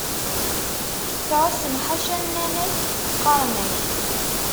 Tɛussem ḥaca nnan-ak qqaren-ak!